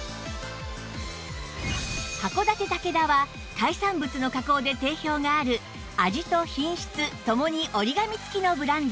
函館竹田は海産物の加工で定評がある味と品質共に折り紙付きのブランド